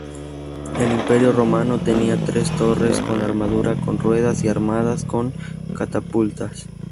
El Imperio romano tenía torres con armadura con ruedas y armadas con catapultas.